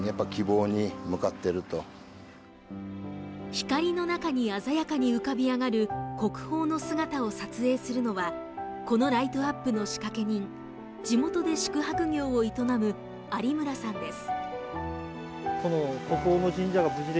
光の中に鮮やかに浮かび上がる国宝の姿を撮影するのはこのライトアップの仕掛け人、地元で宿泊業を営む有村さんです。